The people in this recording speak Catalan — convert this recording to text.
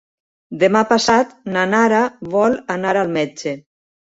Demà passat na Nara vol anar al metge.